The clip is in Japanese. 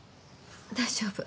大丈夫。